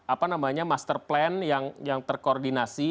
apa namanya master plan yang terkoordinasi